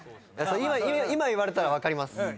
今言われたら分かります。